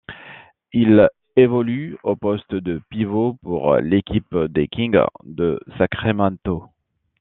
Il évolue au poste de pivot pour l'équipe des Kings de Sacramento.